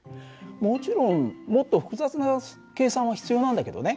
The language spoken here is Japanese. もちろんもっと複雑な計算は必要なんだけどね。